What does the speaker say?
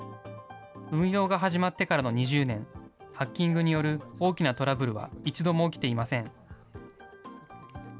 運用が始まってからの２０年、ハッキングによる大きなトラブルは、一度も起きていません。